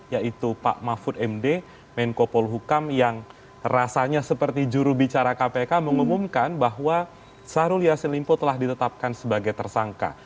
yaitu pak mahfud md menko polhukam yang rasanya seperti jurubicara kpk mengumumkan bahwa sahrul yassin limpo telah ditetapkan sebagai tersangka